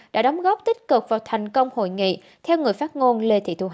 đã đóng góp tích cực vào thành công hội nghị theo người phát ngôn lê thị thu hà